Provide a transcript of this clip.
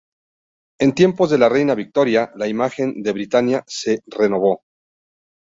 En tiempos de la reina Victoria, la imagen de Britania se renovó.